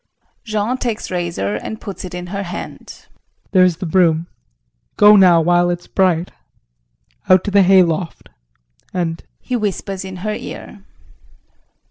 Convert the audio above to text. JEAN [Takes razor and puts it in her hand]. There is the broom, go now while it's bright out to the hay loft and [He whispers in her ear.